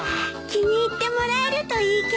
気に入ってもらえるといいけど。